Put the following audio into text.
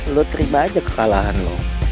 lo terima aja kekalahan lo